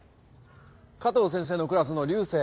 加藤先生のクラスの流星。